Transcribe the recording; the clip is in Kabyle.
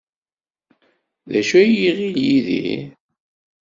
D acu ay iɣil Yidir?